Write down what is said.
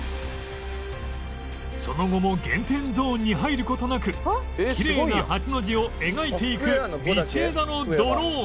その後も減点ゾーンに入る事なくきれいな８の字を描いていく道枝のドローン